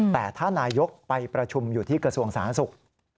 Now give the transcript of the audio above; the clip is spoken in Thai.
แต่ถ้านายกไปประชุมอยู่ที่กระทรวงสาธารณสุข